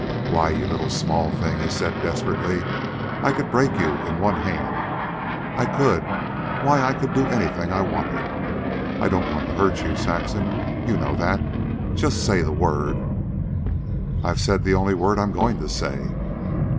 "Why, you little, small thing," he said desperately, "I could break you in one hand. I could why, I could do anything I wanted. I don't want to hurt you, Saxon. You know that. Just say the word " "I've said the only word I'm going to say."